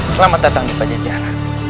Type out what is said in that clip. selamat datang di pajajaran